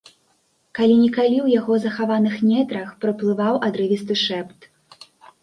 Калі-нікалі ў яго захаваных нетрах праплываў адрывісты шэпт.